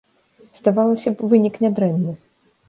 Здавалася б, вынік нядрэнны.